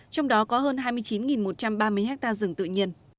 trong đó có hơn hai mươi chín một trăm ba mươi ha rừng tự nhiên